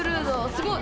すごい。